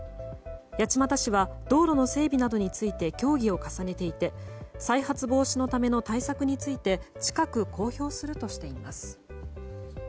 八街市は道路の整備などについて協議を重ねていて再発防止のための対策について近く公表するとしています。